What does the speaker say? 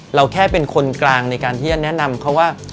เราแค่เป็นคนกลางในการที่จะแนะนำเขาว่า